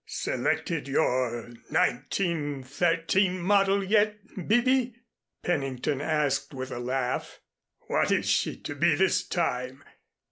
"Selected your 1913 model yet, Bibby?" Pennington asked with a laugh. "What is she to be this time?